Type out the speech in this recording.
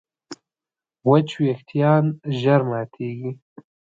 وچ وېښتيان ژر ماتېږي.